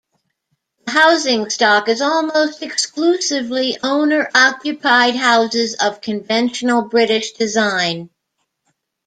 The housing stock is almost exclusively owner-occupied houses of conventional British design.